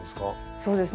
そうですねあの。